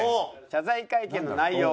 謝罪会見の内容